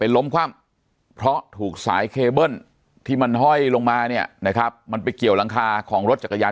แล้วแน่นอนนะครับขายก๋วยเตี๋ยวช่วงเช้า